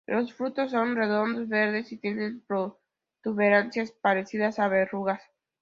Los frutos son redondos, verdes, y tienen protuberancias parecidas a verrugas.